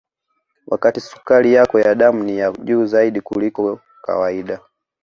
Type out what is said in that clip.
wakati sukari yako ya damu ni ya juu zaidi kuliko kawaida